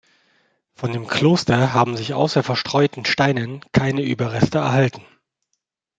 Von dem Kloster haben sich außer verstreuten Steinen keine Überreste erhalten.